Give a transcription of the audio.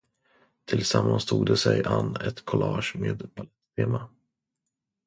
Tillsammans tog de sig an ett collage med balett-tema.